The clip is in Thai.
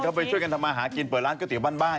เขาไปช่วยกันทำอาหารกินเปิดร้านกระเทียวบ้าน